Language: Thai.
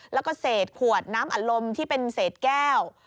แล้วก็เศษขวดน้ำอัดลมที่เป็นเศษแก้ว